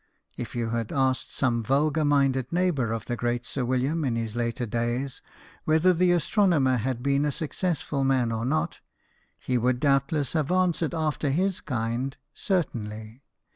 If you had asked some vulgar minded neighbour of the great Sir William in his later days whether the astronomer had been a successful man or not, he would doubtless have answered, after his kind, "Certainly.